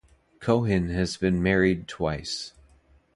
Cohen has been married twice.